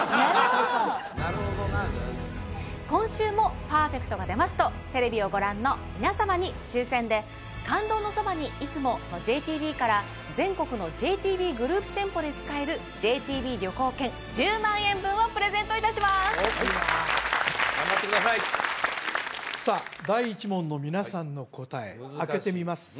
今週もパーフェクトが出ますとテレビをご覧の皆様に抽選で「感動のそばに、いつも。」のＪＴＢから全国のＪＴＢグループ店舗で使えるＪＴＢ旅行券１０万円分をプレゼントいたします頑張ってくださいさあ